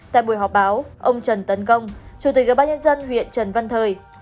tại buổi họp báo ông trần tấn công chủ tịch cơ bác nhân dân huyện trần văn thời